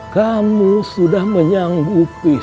kamu sudah menyanggupi